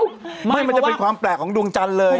ไม่มันจะเป็นความแปลกของดวงจันทร์เลย